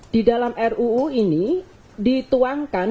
di dalam ruu ini dituangkan